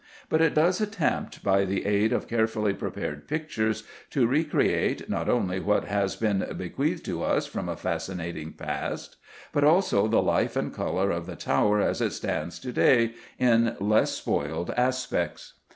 But it does attempt, by the aid of carefully prepared pictures, to recreate not only what has been bequeathed to us from a fascinating past, but also the life and colour of the Tower as it stands to day, in its less spoiled aspects.